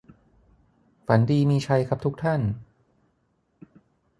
ฝันดีมีชัยครับทุกท่าน